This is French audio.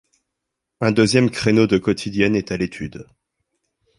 Un deuxième créneau de quotidienne est à l'étude.